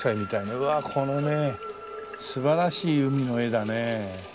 うわっこのね素晴らしい海の絵だねえ。